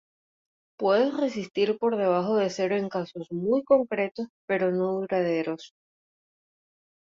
Puede resistir por debajo de cero en casos muy concretos pero no duraderos.